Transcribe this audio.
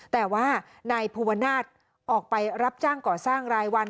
แต่ว่านายภูวนาศออกไปรับจ้างก่อสร้างรายวัน